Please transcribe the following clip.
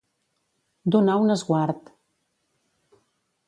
Donar un esguard.